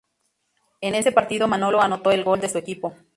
En ese partido Manolo anotó el gol de su equipo.